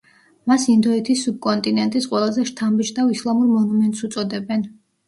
მას ინდოეთის სუბკონტინენტის ყველაზე შთამბეჭდავ ისლამურ მონუმენტს უწოდებენ.